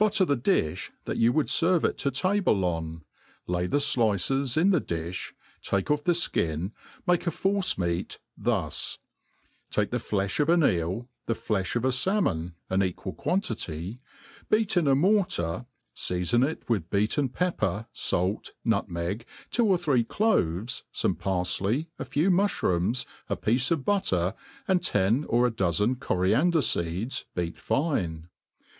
179 i ffr the di(h that you wouM ferve it to table on, lay, the flices ,ih the di(b, take ofF the fkin, make a force*ineat thus : take the defli of an ee], the flefh of a (Ulmon, an equal quantity, beat in a mortar, feafon it with beaten pepper, falt» nutmegs two or three cloves, fome parfley, a few mufhrooms, a piece of butter, and ten or a dozen coriander feeds^ beat fine.